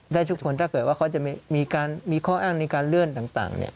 ได้ทุกคนถ้าเกิดว่าเขาจะมีข้ออ้างในการเลื่อนต่างเนี่ย